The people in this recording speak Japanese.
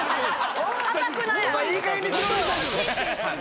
お前いいかげんにしろよ。